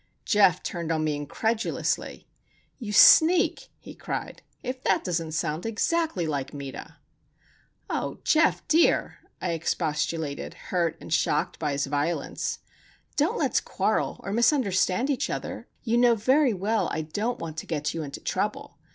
Geof turned on me incredulously. "You sneak!" he cried. "If that doesn't sound exactly like Meta!" "Oh, Geof dear!" I expostulated, hurt and shocked by his violence. "Don't let's quarrel, or misunderstand each other. You know very well I don't want to get you into trouble.